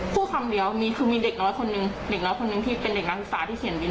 พูดคำเดียวมีคือมีเด็กน้อยคนหนึ่งเด็กน้อยคนนึงที่เป็นเด็กนักศึกษาที่เขียนวิน